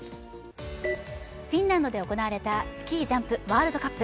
フィンランドで行われたスキージャンプ・ワールドカップ。